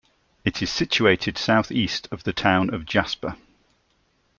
It is situated southeast of the town of Jasper.